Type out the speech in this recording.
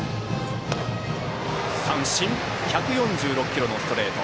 １４６キロのストレート。